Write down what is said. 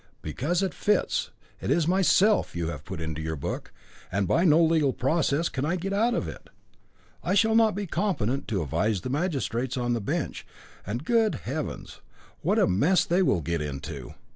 "Because it fits. It is myself you have put into your book, and by no legal process can I get out of it. I shall not be competent to advise the magistrates on the bench, and, good heavens! what a mess they will get into.